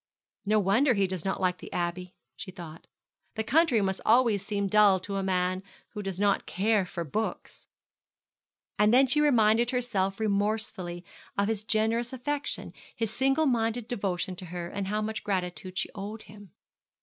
'No wonder he does not like the Abbey,' she thought. 'The country must always seem dull to a man who does not care for books.' And then she reminded herself remorsefully of his generous affection, his single minded devotion to her, and how much gratitude she owed him.